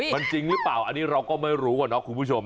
มันจริงหรือเปล่าอันนี้เราก็ไม่รู้อะเนาะคุณผู้ชม